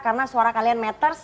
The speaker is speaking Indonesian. karena suara kalian matters